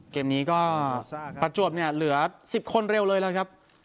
เกมนี้ก็ประจวบเนี่ยเหลือ๑๐คนเร็วเลยแล้วครับ